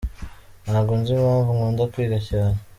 Ntago nzi impamvu nkunda kwiga cyane.